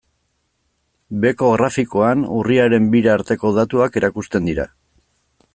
Beheko grafikoan urriaren bira arteko datuak erakusten dira.